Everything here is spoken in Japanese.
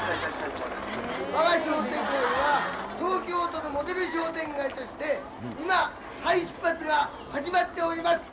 熊野前商店街は、東京都のモデル商店街として、今、再出発が始まっております。